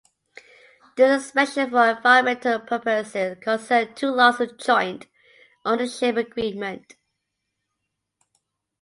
This expansion for environmental purposes concerns two lots with joint ownership agreement.